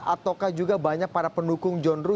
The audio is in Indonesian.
ataukah juga banyak para pendukung john ruh